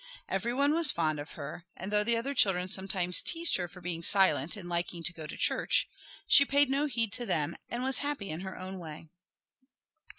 Every one was fond of her, and though the other children sometimes teased her for being silent and for liking to go to church, she paid no heed to them, and was happy in her own way.